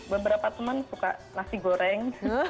beberapa teman suka nasi goreng